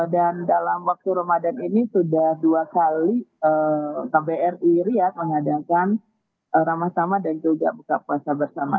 dan dalam waktu ramadan ini sudah dua kali kbr riyad mengadakan ramah sama dan juga buka puasa bersama